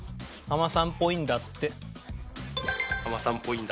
「ハマさんっぽいんだって」